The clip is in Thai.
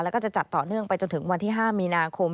แล้วก็จะจัดต่อเนื่องไปจนถึงวันที่๕มีนาคม